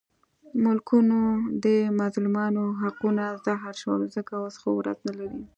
ملکانو ته د مظلومانو حقونه زهر شول، ځکه اوس ښه ورځ نه لري.